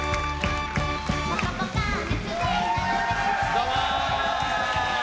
どうも！